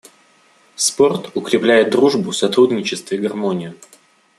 Спорт укрепляет дружбу, сотрудничество и гармонию.